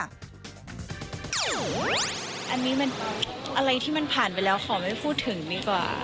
อันนี้มันอะไรที่มันผ่านไปแล้วขอไม่พูดถึงดีกว่า